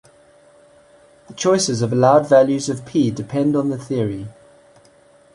The choices of allowed values of p depend on the theory.